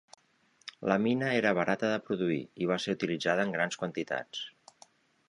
La mina era barata de produir, i va ser utilitzada en grans quantitats.